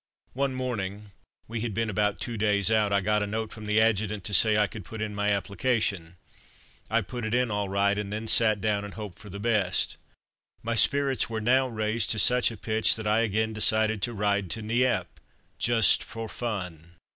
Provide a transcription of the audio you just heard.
One morning (we had been about two days out) I got a note from the Adjutant to say I could put in my application. I put it in all right and then sat down and hoped for the best. My spirits were now raised to such a pitch that I again decided to ride to Nieppe just for fun.